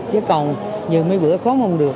chứ còn nhiều mấy bữa khó mong được